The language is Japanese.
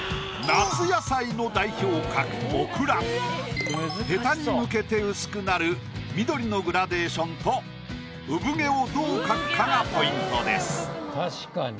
夏野菜の代表格ヘタに向けて薄くなる緑のグラデーションと産毛をどう描くかがポイントです。